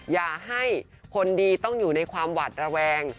อย่าให้คนดีต้องอยู่ในความหวัดระแวง